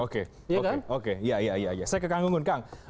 oke oke saya kekagungan kang